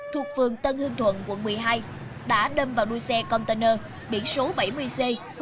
thuộc phường tân hương thuận quận một mươi hai đã đâm vào đuôi xe container biển số bảy mươi c bảy nghìn bốn trăm bốn mươi